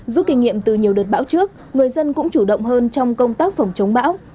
rút kinh nghiệm từ nhiều đợt bão trước người dân cũng chủ động hơn trong công tác phòng chống bão